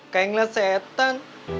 kayak ngeliat setan